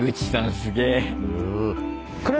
すげえ。